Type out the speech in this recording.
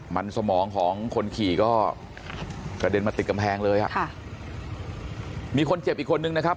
มันสมองของคนขี่ก็กระเด็นมาติดกำแพงเลยอ่ะค่ะมีคนเจ็บอีกคนนึงนะครับ